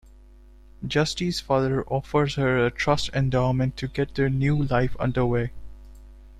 Justy's father offers her a trust endowment to get their new life under way.